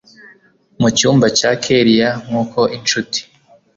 mucyumba cya kellia nkuko inshuti